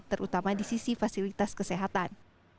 terutama di sisi fasilitas kesehatan